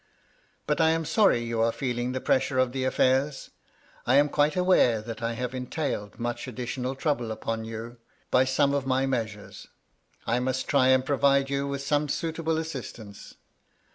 " But I am sorry you are feeling the pressure of the affairs ; I am quite aware that I have entailed much additional trouble upon you by some uf my measures ; I must try and provide you with some suitable assist ance.